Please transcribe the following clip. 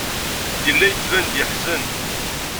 Yella yettban-d yeḥzen.